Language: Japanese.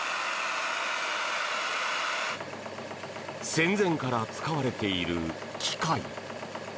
戦前から使われている機械。